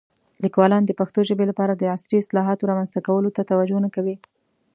لیکوالان د پښتو ژبې لپاره د عصري اصطلاحاتو رامنځته کولو ته توجه نه کوي.